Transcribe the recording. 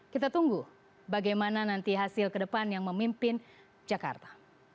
kita tunggu bagaimana nanti hasil kedepan yang memimpin jakarta